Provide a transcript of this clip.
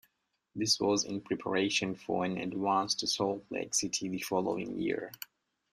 This was in preparation for an advance to Salt Lake City the following year.